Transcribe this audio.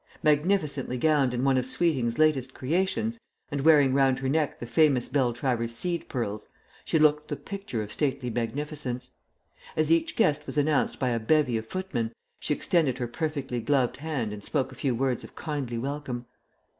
Magnificently gowned in one of Sweeting's latest creations, and wearing round her neck the famous Beltravers seed pearls, she looked the picture of stately magnificence. As each guest was announced by a bevy of footmen, she extended her perfectly gloved hand and spoke a few words of kindly welcome.